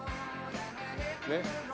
ねっ。